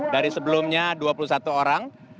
dari sebelumnya dua puluh satu orang